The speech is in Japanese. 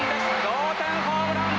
同点ホームラン。